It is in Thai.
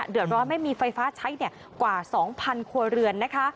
เดือดร้อนไม่มีไฟฟ้าใช้กว่า๒๐๐ครัวเรือนนะคะ